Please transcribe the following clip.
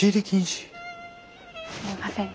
すいません。